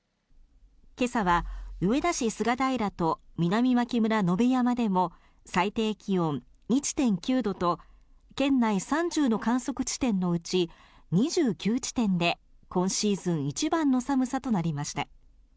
けさは上田市菅平と南牧村野辺山でも最低気温１．９度と、県内３０の観測地点のうち２９地点で今シーズン一番の寒さとなりました。